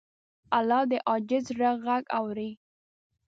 الله د عاجز زړه غږ اوري.